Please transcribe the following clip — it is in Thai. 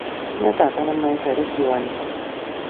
หน้ากากอนามัยใส่ได้กี่วัน